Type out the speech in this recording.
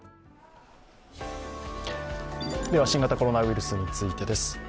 新型コロナウイルスについてです。